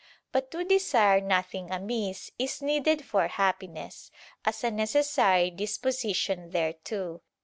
But to desire nothing amiss is needed for happiness, as a necessary disposition thereto.